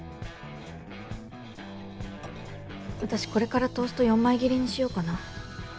私これからトースト４枚切りにしようかな。